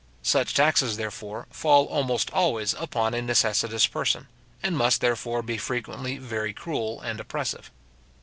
Such taxes, therefore, fall almost always upon a necessitous person, and must, therefore, be frequently very cruel and oppressive.